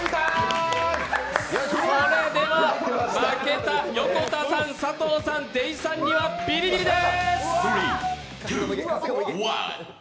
それでは、負けた横田さん、佐藤さん、出井さんにはビリビリです！